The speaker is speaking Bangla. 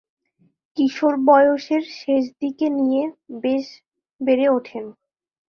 কিশোর বয়সের শেষ দিকে নিয়ে বেশ বেড়ে উঠেন।